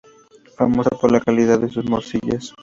Famosa por la calidad de sus morcillas.